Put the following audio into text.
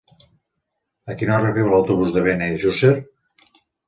A quina hora arriba l'autobús de Benejússer?